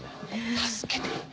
助けて。